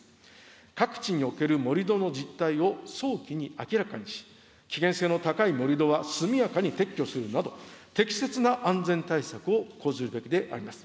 各地における盛土の実態を早期に明らかにし、危険性の高い盛土は速やかに撤去するなど、適切な安全対策を講ずるべきであります。